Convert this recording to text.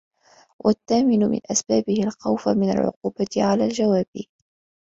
وَالثَّامِنُ مِنْ أَسْبَابِهِ الْخَوْفُ مِنْ الْعُقُوبَةِ عَلَى الْجَوَابِ